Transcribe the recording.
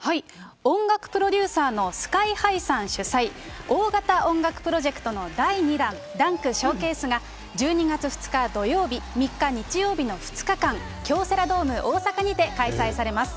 音楽プロデューサーのＳＫＹーＨＩさん主催、大型音楽プロジェクトの第２弾、ダンクショーケースが、１２月２日土曜日、３日日曜日の２日間、京セラドーム大阪にて開催されます。